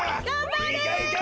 いけいけ！